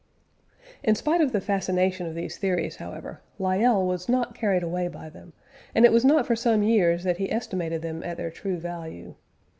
" In spite of the fascination of these theories, however, Lyell was not carried away by them, and it was not for some years that he estimated them at their true value.